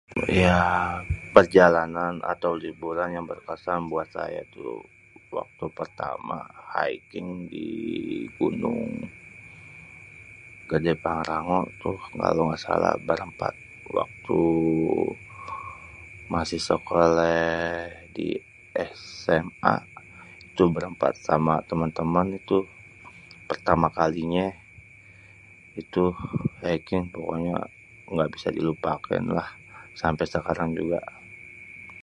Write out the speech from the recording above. Ya perjalanan atau liburan yang berkesan buat ayé tu waktu pertama haiking di Gunung Gede Parango itu kalo gak salah berempat waktu masi sekoléh di SMA itu berempat sama temen temen tuh pertama kalinyé itu naek nye pokoknye gbaisa dilupakan lah sampe sekarang juga.